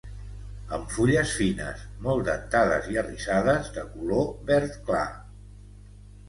Amb fulles fines, molt dentades i arrissades de color verd clar.